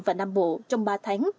và nam bộ trong ba tháng